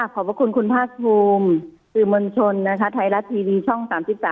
ขอบคุณไทรอัฐทีวีช่อง๓๓